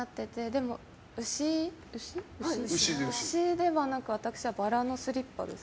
でも、牛ではなく私はバラのスリッパです。